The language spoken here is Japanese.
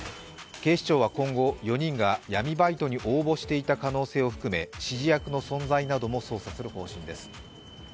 警視庁は今後、４人が闇バイトに応募していた可能性を含め、指示役の存在なども捜査する方針です。